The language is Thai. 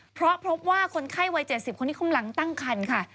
เพราะพบว่าคนไข้วัย๗๐คนที่กำลังตั้งคันค่ะ